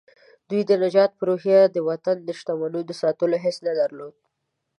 دوی د نجات په روحيه د وطن د شتمنيو د ساتلو حس نه درلود.